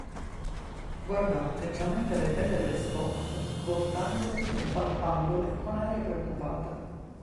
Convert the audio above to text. Guardava attentamente le tele e le stoffe, voltandole e palpandole con aria preoccupata.